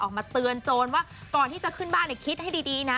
ออกมาเตือนโจรว่าก่อนที่จะขึ้นบ้านคิดให้ดีนะ